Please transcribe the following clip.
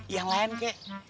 yang lain kek